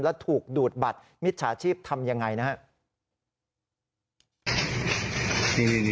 แล้วถูกดูดบัตรมิจฉาชีพทำยังไงนะครับ